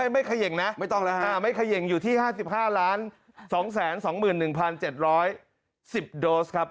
ไม่เคย่งนะไม่เคย่งอยู่ที่๕๕๒๒๑๗๑๐โดสครับ